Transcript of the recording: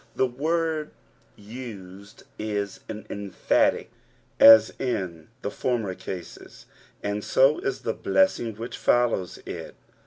The wont u*ed is as emphatic as in tlie farmer cases, and so is the lilessing which follows it.